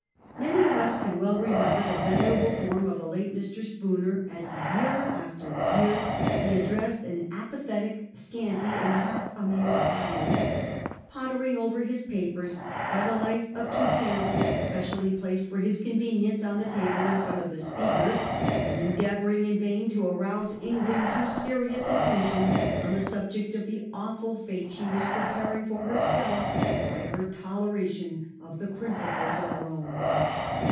Many of us can well remember the venerable form of the late Mr. Spooner as year after year he addressed an apathetic, scanty and half amused audience, pottering over his papers by the light of two> candles specially placed for his convenience on the table in front of the Speaker, and endeavouring in vain to arouse Eng land to serious attention on the subject of the awful fate she was preparing for herself by her toleration of the principles of Rome.